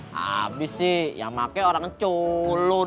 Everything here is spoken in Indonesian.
habis sih yang pake orang colun